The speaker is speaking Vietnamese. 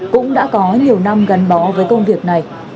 cũng đã có nhiều năm gắn bó với công việc này